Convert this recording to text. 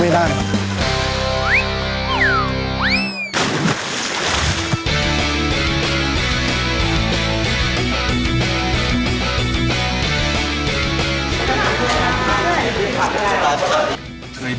แบบเยี่ยม